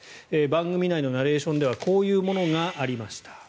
番組内のナレーションではこういうものがありました。